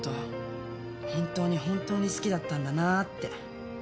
本当に本当に好きだったんだなって。